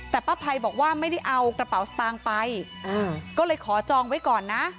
แต่ป้าภัยบอกว่าไม่ได้เอากระเป๋าสตางค์ไปก็เลยขอจองไว้ก่อนนะ